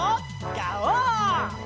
ガオー！